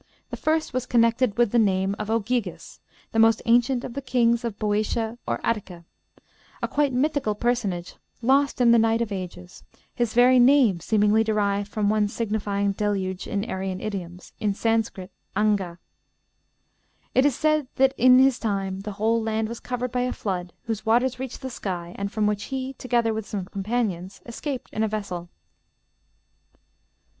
The first was connected with the name of Ogyges, the most ancient of the kings of Boeotia or Attica a quite mythical personage, lost in the night of ages, his very name seemingly derived from one signifying deluge in Aryan idioms, in Sanscrit Angha. It is said that in his time the whole land was covered by a flood, whose waters reached the sky, and from which he, together with some companions, escaped in a vessel.